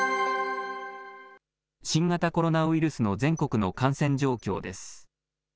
新型コロナウイルスの全国の感染状況です。